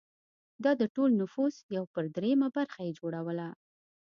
دا د ټول نفوس یو پر درېیمه برخه یې جوړوله